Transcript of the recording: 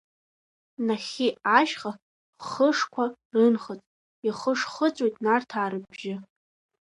Нахьхьи ашьха хышқәа рынхыҵ, ихышхыҵәоит Нарҭаа рыбжьы.